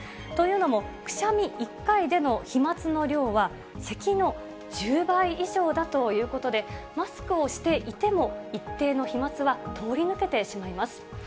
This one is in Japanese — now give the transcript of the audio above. というのも、くしゃみ１回での飛まつの量は、せきの１０倍以上だということで、マスクをしていても、一定の飛まつは通り抜けてしまいます。